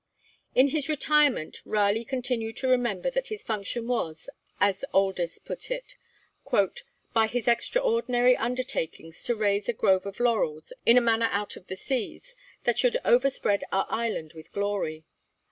In his retirement Raleigh continued to remember that his function was, as Oldys put it, 'by his extraordinary undertakings to raise a grove of laurels, in a manner out of the seas, that should overspread our island with glory.'